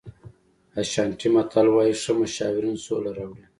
اشانټي متل وایي ښه مشاورین سوله راوړي.